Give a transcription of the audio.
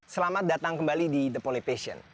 selamat datang kembali di the poly passion